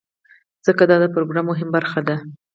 ځکه دا د پروګرام مهمه برخه ده.